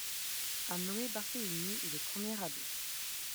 Un nommé Berthélémy est le premier abbé.